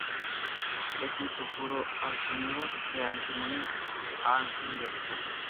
Es un sulfuro-arseniuro de antimonio, anhidro.